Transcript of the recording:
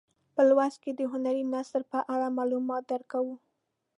په لوست کې د هنري نثر په اړه معلومات درکوو.